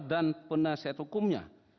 dan penasihat hukumnya